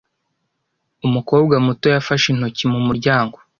Umukobwa muto yafashe intoki mu muryango.